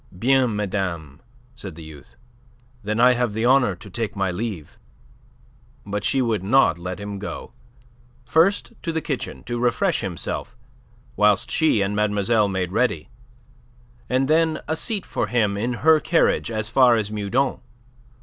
"Bien, madame," said the youth. "Then I have the honour to take my leave." But she would not let him go. First to the kitchen to refresh himself, whilst she and mademoiselle made ready, and then a seat for him in her carriage as far as Meudon.